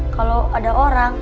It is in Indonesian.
kalo ada orang